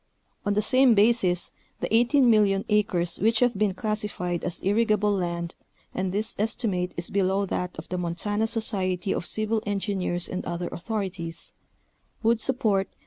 On the same basis the 18,000,000 acres which have been classi fied as irrigable land, (and this estimate is below that of the Montana Society of civil engineers and other authorities), would support 3,120,000 inhabitants.